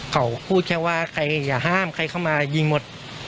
เขาพูดแค่ว่าใครอย่าห้ามใครเข้ามายิงหมด